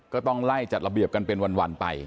ก็ต้องไล่จัดระเบียบกันเป็นวันไป